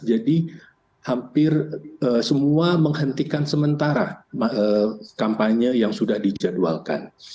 jadi hampir semua menghentikan sementara kampanye yang sudah dijadwalkan